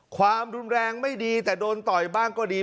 ความรุนแรงไม่ดีแต่โดนต่อยบ้างก็ดี